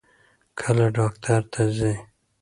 کله ډاکټر ته ځې؟